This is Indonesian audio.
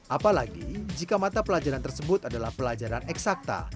apalagi jika mata pelajaran tersebut adalah pelajaran eksakta